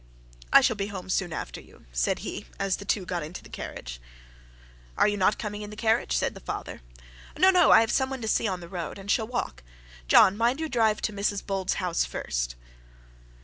'I shall be home soon after you,' said he, as the two got into the carriage. 'Are you not coming in the carriage?' said the father. 'No, no; I have some one to see on the road, and shall walk. John, mind you drive to Mrs Bold's house first.'